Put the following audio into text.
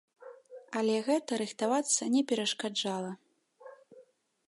Але гэта рыхтавацца не перашкаджала.